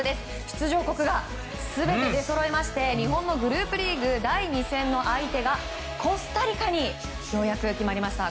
出場国が全て出そろいまして日本のグループリーグ第２戦の相手がコスタリカにようやく決まりました。